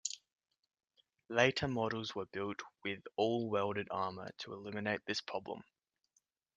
Later models were built with all-welded armor to eliminate this problem.